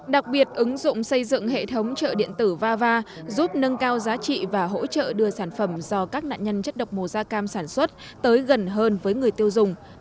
đặc biệt ứng dụng xây dựng hệ thống trợ điện tử vava giúp nâng cao giá trị và hỗ trợ đưa sản phẩm do các nạn nhân chất độc màu da cam sản xuất tới gần hơn với người tiêu dùng